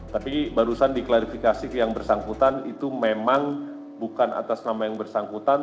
tapi barusan diklarifikasi ke yang bersangkutan itu memang bukan atas nama yang bersangkutan